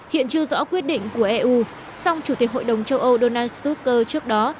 hiện chưa rõ quyết định của eu song chủ tịch hội đồng châu âu donald stoker trước đó